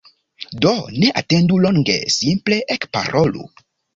Do, ne atendu longe, simple Ekparolu!